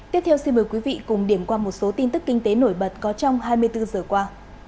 tiếp theo xin mời quý vị cùng điểm qua một số tin tức kinh tế nổi bật có trong hai mươi bốn giờ qua